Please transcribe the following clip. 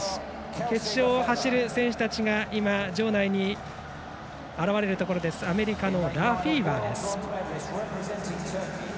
決勝を走る選手たちが今、場内に現れるところアメリカのラフィーバー。